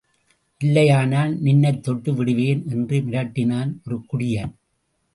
இல்லையானால் நின்னைத்தொட்டு விடுவேன் என்று மிரட்டினான் ஒரு குடியன்.